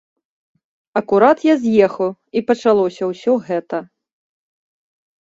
Акурат я з'ехаў, і пачалося ўсё гэта.